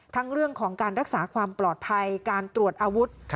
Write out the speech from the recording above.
ทั้งเรื่องของการรักษาความปลอดภัยการตรวจอาวุธ